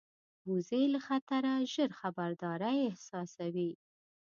وزې له خطره ژر خبرداری احساسوي